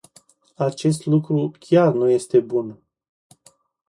Acest lucru chiar nu este bun.